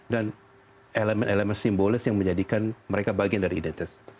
dan elemen elemen simbolis yang menjadikan mereka bagian dari identitas